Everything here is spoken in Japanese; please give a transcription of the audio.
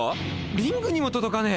⁉リングにも届かねえ！